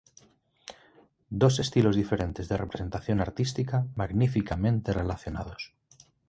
Dos estilos diferentes de representación artística magníficamente relacionados.